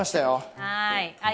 はい。